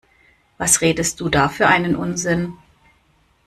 Was redest du da für einen Unsinn?